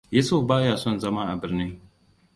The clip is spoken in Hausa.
Yusuf baya son zama a birni.